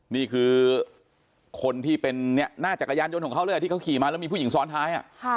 นี่คือคนที่เป็นหน้าจักรยานยนต์ของเขาเลยที่เขาขี่มาแล้วมีผู้หญิงซ้อนท้าย